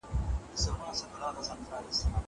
زه پرون سړو ته خواړه ورکړې!!